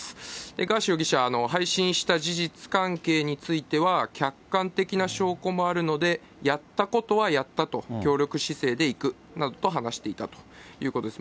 ガーシー容疑者、配信した事実関係については、客観的な証拠もあるので、やったことはやったと協力姿勢でいくなどと話していたということです。